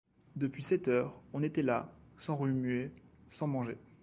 Depuis sept heures, on était là, sans remuer, sans manger.